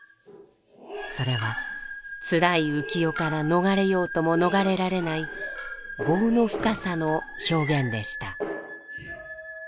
それはつらい浮き世から逃れようとも逃れられない業の深さの表現でした。